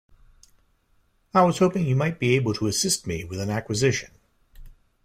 I was hoping you might be able to assist me with an acquisition.